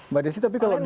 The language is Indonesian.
mbak desy tapi kalau di